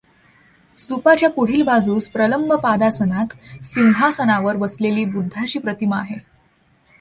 स्तूपाच्या पुढील बाजूस प्रलंबपादासनात सिंहासनावर बसलेली बुद्धाची प्रतिमा आहे.